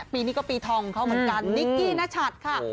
ปีนี้ก็ปีทองเหมือนกันนิกกี้ณชัตรค์ค่ะ